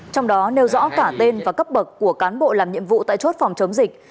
trong đó nêu rõ cả tên và cấp bậc của cán bộ làm nhiệm vụ tại chốt phòng chống dịch